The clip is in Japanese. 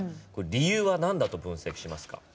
理由は、なんだと分析しますか？